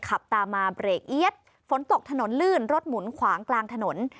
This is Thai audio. ขับตามมาเบรกเอี๊ยดฝนตกถนนลื่นรถหมุนขวางกลางถนน